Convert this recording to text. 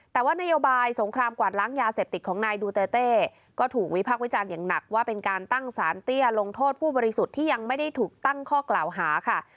แต่ว่านโยบายสงครามกวาดล้างยาเสพติดของนายดูเตอร์เต้ก็ถูกวิพากษ์วิจารณ์อย่างหนักว่าเป็นการตั้งสารเตี้ยลงโทษผู้บริสุทธิ์ที่ยังไม่ได้ถูกตั้งข้อกล่าวหาค่ะ